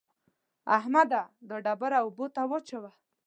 احمده! دا ډبره اوبو ته واچوه.